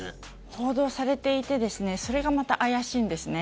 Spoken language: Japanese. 報道されていてそれがまた怪しいんですね。